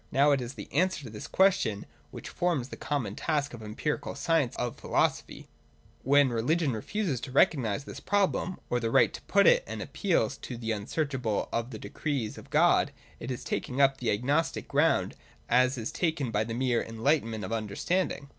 Now it is the answer to this question which forms the common task of empirical science and of philosophy. When religion refuses to recognise this problem, or the right to put it, and appeals to the unsearchableness of the decrees of God, it is taking up the same agnostic ground as is taken by the mere En lightenment of understanding.